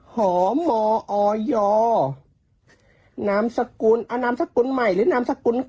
หอมออยนามสกุลเอานามสกุลใหม่หรือนามสกุล